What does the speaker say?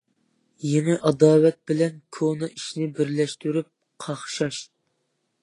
يېڭى ئاداۋەت بىلەن كونا ئىشنى بىرلەشتۈرۈپ قاقشاش.